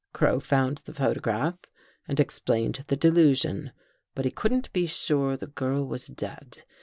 Crow found the photograph and explained the delusion, but he couldn't be sure the girl was dead.